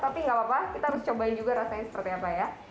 tapi nggak apa apa kita harus cobain juga rasanya seperti apa ya